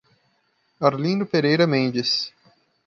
Arlindo Pereira Mendes